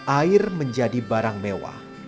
air menjadi barang mewah